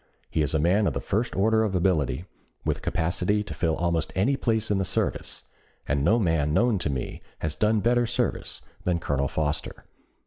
He is a man of the first order of ability, with capacity to fill almost any place in the service, and no man known to me has done better service than Colonel Foster."